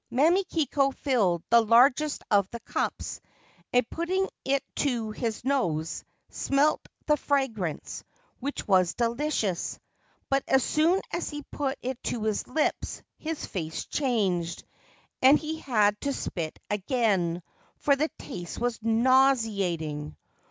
Mamikiko filled the largest of the cups, and, putting it to his nose, smelt the fragrance, which was delicious ; but as soon as he put it to his lips his face changed, and he had to spit again, for the taste was nauseating.